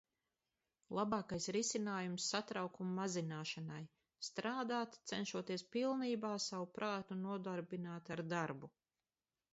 Labākais risinājums satraukuma mazināšanai -strādāt, cenšoties pilnībā savu prātu nodarbināt ar darbu.